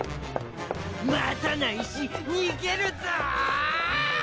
待たないしにげるぞ！